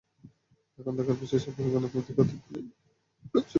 এখন দেখার বিষয়, সার্বিকভাবে গণতান্ত্রিক কর্তৃত্ব কায়েমে নওয়াজ শরিফ কতখানি সফল হন।